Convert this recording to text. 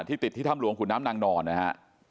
ติดที่ถ้ำหลวงขุนน้ำนางนอนนะฮะ